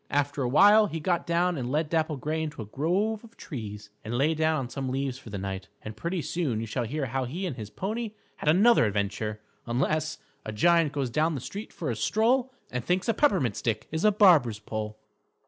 After a while he got down and led Dapple Gray into a grove of trees and lay down on some leaves for the night. And pretty soon you shall hear how he and his pony had another adventure, unless _A giant goes down the street for a stroll, And thinks a peppermint stick is a barber's pole.